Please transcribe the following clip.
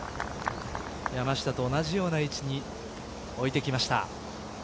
山下と同じような位置に置いてきました。